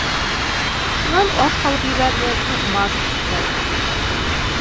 Шунан аш һалып ебәрҙе, туҡмас ҡырҡты.